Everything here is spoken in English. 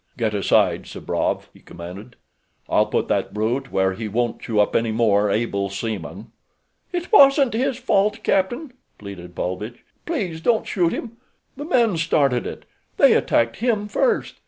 "Get aside, Sabrov!" he commanded. "I'll put that brute where he won't chew up any more able seamen." "It wasn't his fault, captain," pleaded Paulvitch. "Please don't shoot him. The men started it—they attacked him first.